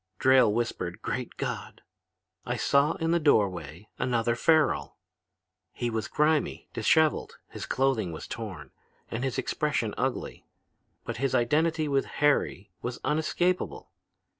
Drayle whispered 'Great God!' I saw in the doorway another Farrel. He was grimy, disheveled, his clothing was torn, and his expression ugly; but his identity with 'Harry' was unescapable.